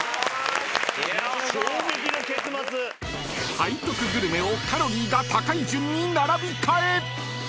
［背徳グルメをカロリーが高い順に並び替え］